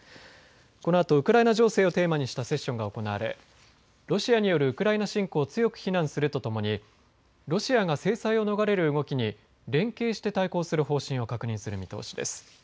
このあとウクライナ情勢をテーマにしたセッションが行われロシアによるウクライナ侵攻を強く非難するとともにロシアが制裁を逃れる動きに連携して対抗する方針を確認する見通しです。